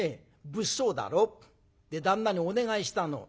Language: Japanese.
物騒だろで旦那にお願いしたの。